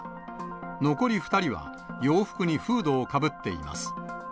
残り２人は洋服にフードをかぶっています。